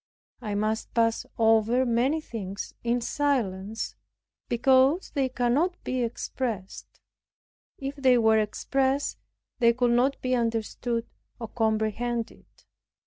I must pass over very many things in silence, because they cannot be expressed. If they were expressed they could not be understood or comprehended.